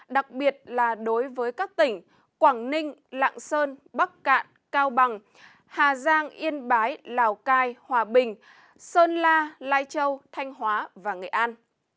đặc biệt là đối với các tỉnh quảng ninh lạng sơn bắc cạn cao bằng hà giang yên bái lào cai hòa bình sơn la lai châu thanh hóa và nghệ an